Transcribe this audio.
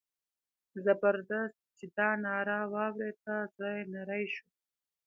زبردست چې دا ناره واورېده زړه یې نری شو.